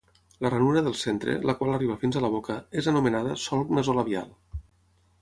La ranura del centre, la qual arriba fins a la boca, és anomenada solc nasolabial.